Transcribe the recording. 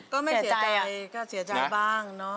ก็ไม่เสียใจก็เสียใจบ้างเนอะ